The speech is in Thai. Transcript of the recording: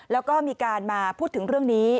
แล้วก็มีการมาพูดถึงเรื่องนี้